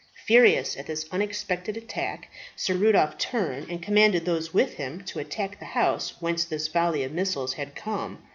Furious at this unexpected attack, Sir Rudolph turned, and commanded those with him to attack the house whence this volley of missiles had come.